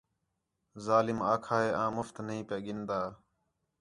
ظالم آکھا ہے آں مُفت نہی پِیا گِھن٘دا